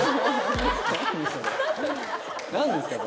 何ですか？